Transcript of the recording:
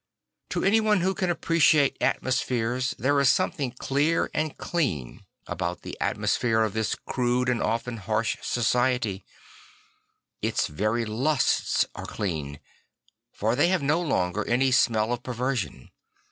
To anyone \vho can appreciate atmospheres there is something clear and clean 3 8 St. Francis of Assisi about the atmosphere of this crude and often harsh society. Its very lusts are clean; for they have no longer any smell of perversion.